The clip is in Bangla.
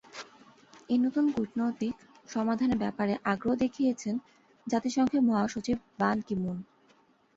এ নতুন কূটনৈতিক সমাধানের ব্যাপারে আগ্রহ দেখিয়েছেন জাতিসংঘের মহাসচিব বান কি মুন।